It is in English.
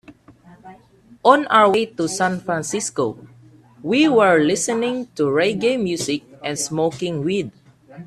On our way to San Francisco, we were listening to reggae music and smoking weed.